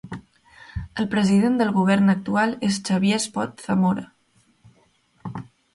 El president del Govern actual és Xavier Espot Zamora.